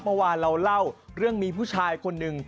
เมื่อวานเราเล่าเรื่องมีผู้ชายคนหนึ่ง